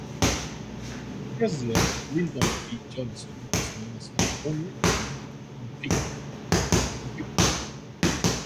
President Lyndon B. Johnson was known as an owner of an Amphicar.